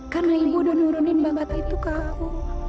karena ibu udah nurunin bangat itu ke aku